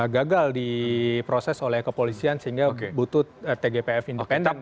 gagal diproses oleh kepolisian sehingga butuh tgpf independen